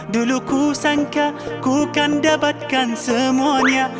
dulu ku sangka ku kan dapatkan semuanya